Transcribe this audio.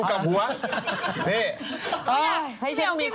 ซื้อกับมันเยอะแหมากเลย